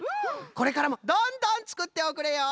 これからもどんどんつくっておくれよ！